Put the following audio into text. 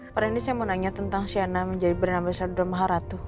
pak rindy saya mau nanya tentang sienna menjadi brand amasador maharatu